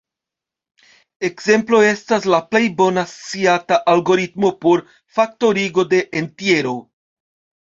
Ekzemplo estas la plej bona sciata algoritmo por faktorigo de entjero.